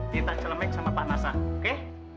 kita celemek sama pak nasa oke